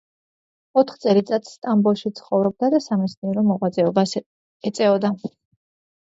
ოთხ წელიწადს სტამბოლში ცხოვრობდა და სამეცნიერო მოღვაწეობას ეწეოდა.